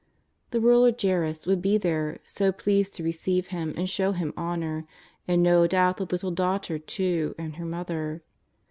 The ruler Jairus would be there, so pleased to receive Him and show Him honour, and no doubt the little daughter, too, and her mother.